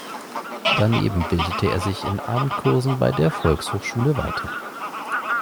Daneben bildete er sich in Abendkursen bei der Volkshochschule weiter.